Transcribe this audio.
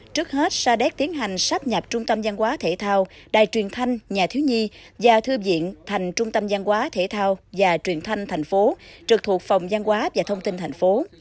trước hết sadec tiến hành sáp nhập trung tâm giang hóa thể thao đài truyền thanh nhà thiếu nhi và thư viện thành trung tâm giang hóa thể thao và truyền thanh thành phố trực thuộc phòng giang hóa và thông tin thành phố